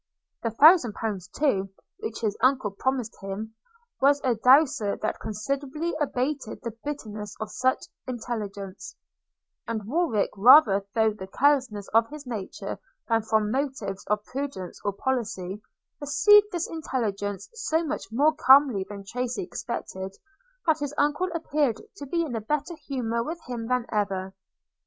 – The thousand pounds too, which his uncle promised him, was a douceur that considerably abated the bitterness of such intelligence; and Warwick, rather through the carelessness of his nature than from motives of prudence or policy, received this intelligence so much more calmly than Tracy expected, that his uncle appeared to be in a better humour with him than ever.